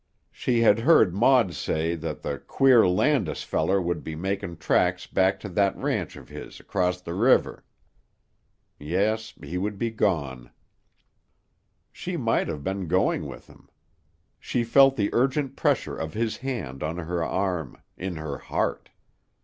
She had heard Maud say that the "queer Landis feller would be makin' tracks back to that ranch of his acrost the river." Yes, he would be gone. She might have been going with him. She felt the urgent pressure of his hand on her arm, in her heart.